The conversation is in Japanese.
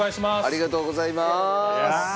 ありがとうございます。